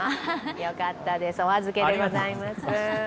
よかったです、お預けでございます。